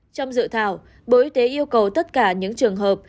trong dự thảo bộ y tế yêu cầu tất cả những trường hợp